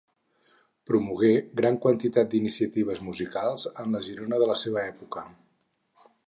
Promogué gran quantitat d'iniciatives musicals en la Girona de la seva època.